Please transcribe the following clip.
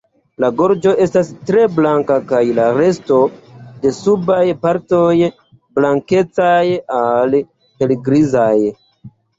La gorĝo estas tre blanka kaj la resto de subaj partoj blankecaj al helgrizaj.